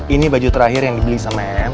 ini baju terakhir yang dibeli sama m